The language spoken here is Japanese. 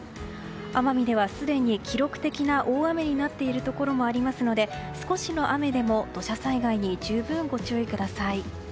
奄美ではすでに記録的な大雨になっているところもありますので少しの雨でも土砂災害に十分ご注意ください。